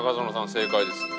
正解ですね。